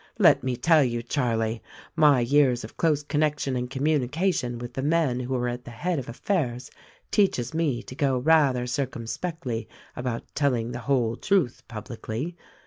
Let me tell you, Charlie, my years of close connection and communication with the men who are at the head of affairs teaches me to go rather circumspectly about telling the whole truth publicly.